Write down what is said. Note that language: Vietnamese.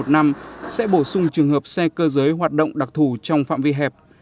năm hai nghìn một mươi năm sẽ bổ sung trường hợp xe cơ giới hoạt động đặc thù trong phạm vi hẹp